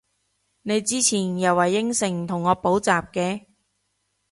你之前又話應承同我補習嘅？